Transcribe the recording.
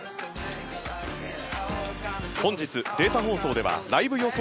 本日、データ放送ではライブ予想